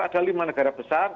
ada lima negara besar